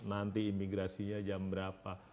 nanti imigrasinya jam berapa